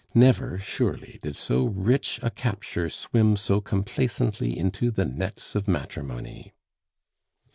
Never, surely, did so rich a capture swim so complacently into the nets of matrimony.